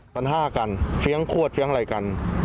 ตัวห้าะกันเซียงขวดเซียงไหล่กัน